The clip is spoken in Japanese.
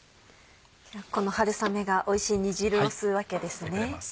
この春雨がおいしい煮汁を吸うわけですね。